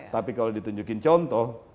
tapi kalau ditunjukkan contohnya